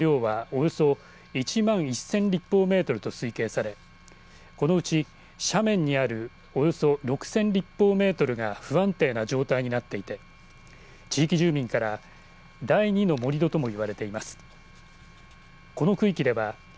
土砂の量はおよそ１万１０００立方メートルと推計されこのうち斜面にあるおよそ６０００立方メートルが不安定な状態になっていて地域住民から第２の盛り土ともいわれています。